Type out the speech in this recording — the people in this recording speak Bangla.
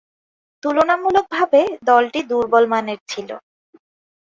তুলনামূলকভাবে দলটি দূর্বলমানের ছিল।